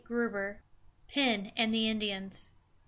XXXIX. PENN AND THE INDIANS.